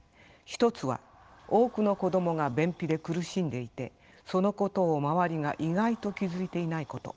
一つは多くの子どもが便秘で苦しんでいてそのことを周りが意外と気付いていないこと。